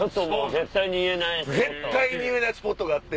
絶対に言えないスポットがあって。